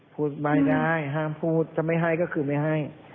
พูดไม่ได้ห้ามพูดถ้าไม่ให้ก็คือไม่ให้